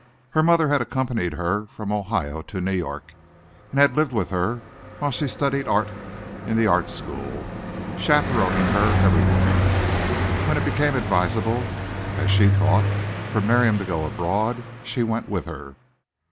Her mother had accompanied her from Ohio to New York, and lived with her while she studied art in the art school, chaperoning her everywhere. When it became advisable, as she thought, for Miriam to go abroad, she went with her.